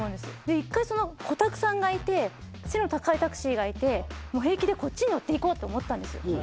一回個タクさんがいて背の高いタクシーがいて平気でこっちに乗っていこうと思ったんですそ